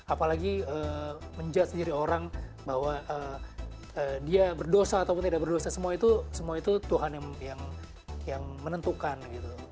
apalagi menjudge diri orang bahwa dia berdosa ataupun tidak berdosa semua itu tuhan yang menentukan gitu